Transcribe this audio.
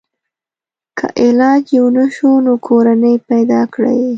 که علاج یې ونشو نو کورنۍ پیدا کړي.